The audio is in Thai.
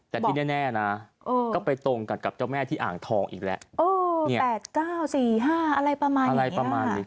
แต่ที่แน่นะก็ไปตรงกันกับเจ้าแม่ที่อ่างทองอีกแล้ว๘๙๔๕อะไรประมาณอะไรประมาณนี้